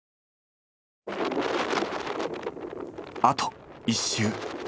あと１周。